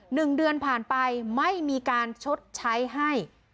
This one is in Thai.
หนึ่งเดือนผ่านไปไม่มีการชดใช้ให้